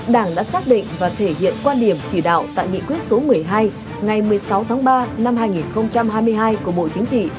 đảng đã xác định và thể hiện quan điểm chỉ đạo tại nghị quyết số một mươi hai ngày một mươi sáu tháng ba năm hai nghìn hai mươi hai của bộ chính trị